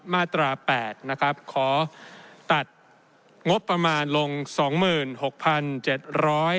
มาตราแปดนะครับขอตัดงบประมาณลงสองหมื่นหกพันเจ็ดร้อย